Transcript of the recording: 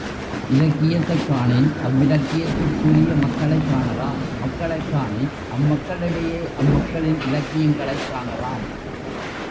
இலக்கியத்தைக் காணின், அவ்விலக்கியத்திற் குரிய மக்களைக் காணலாம் மக்களைக் காணின், அம் மக்களிடையே அம் மக்களின் இலக்கியங்களைக் காணலாம்.